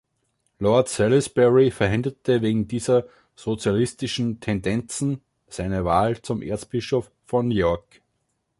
Lord Salisbury verhinderte wegen dieser "sozialistischen Tendenzen" seine Wahl zum Erzbischof von York.